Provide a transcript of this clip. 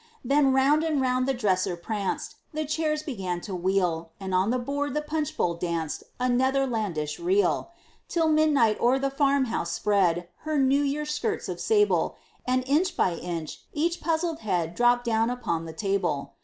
Then round and round the dresser pranced, The chairs began to wheel, And on the board the punch bowl danced A Netherlandish reel; Till midnight o'er the farmhouse spread Her New Year's skirts of sable, And inch by inch, each puzzled head Dropt down upon the table.